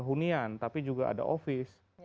hunian tapi juga ada office